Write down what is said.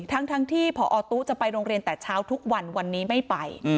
ทั้งที่พอตู้จะไปโรงเรียนแต่เช้าทุกวันวันนี้ไม่ไป